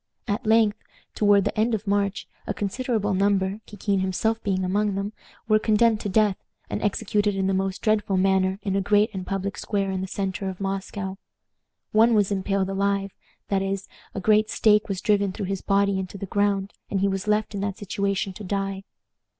At length, toward the end of March, a considerable number, Kikin himself being among them, were condemned to death, and executed in the most dreadful manner in a great public square in the centre of Moscow. One was impaled alive; that is, a great stake was driven through his body into the ground, and he was left in that situation to die.